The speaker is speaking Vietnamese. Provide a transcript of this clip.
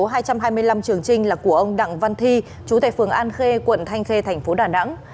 số hai trăm hai mươi năm trường trinh là của ông đặng văn thi chú tại phường an khê quận thanh khê thành phố đà nẵng